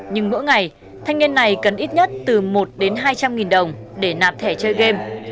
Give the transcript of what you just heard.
nhưng mỗi ngày thanh niên này cần ít nhất từ một đến hai trăm linh nghìn đồng để nạp thẻ chơi game